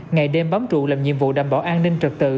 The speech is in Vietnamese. ngày đêm bấm trụ làm nhiệm vụ đảm bảo an ninh